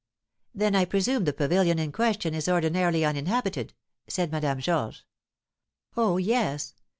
"Then I presume the pavilion in question is ordinarily uninhabited?" said Madame Georges. "Oh, yes!